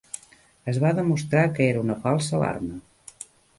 Es va demostrar que era una falsa alarma.